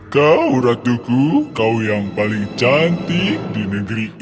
kau ratuku kau yang paling cantik di negeri ini